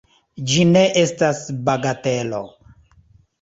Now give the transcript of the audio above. Ĝi ne estas bagatelo!